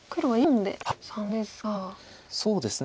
そうですね。